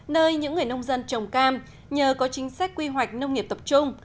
nơi những người nông dân trồng cam nhờ có chính sách quy hoạch nông nghiệp tập trung